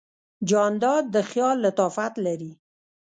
جانداد د خیال لطافت لري.